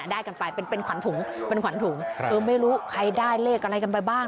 ได้กันไปเป็นเป็นขวัญถุงเป็นขวัญถุงเออไม่รู้ใครได้เลขอะไรกันไปบ้าง